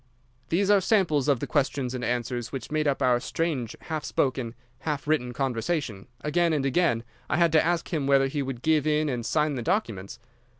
"These are samples of the questions and answers which made up our strange half spoken, half written conversation. Again and again I had to ask him whether he would give in and sign the documents.